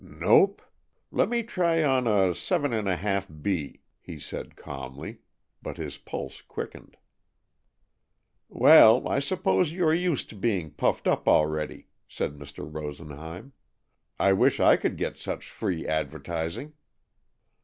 "Nope! Let me try on a seven and a half B," he said calmly, but his pulse quickened. "Well, I suppose you are used to being puffed up already," said Mr. Rosenheim. "I wish I could get such free advertising."